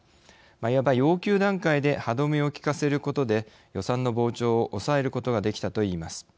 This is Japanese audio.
いわば要求段階で歯止めをきかせることで予算の膨張を抑えることができたといいます。